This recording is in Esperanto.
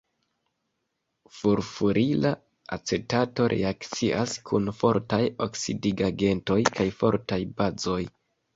Furfurila acetato reakcias kun fortaj oksidigagentoj kaj fortaj bazoj.